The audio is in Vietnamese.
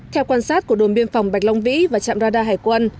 theo quan sát của đồn biên phòng bạch long vĩ và trạm radar hải quân